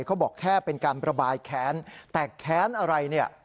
เขาบอกแค่เป็นการประบายแขนแต่แขนอะไร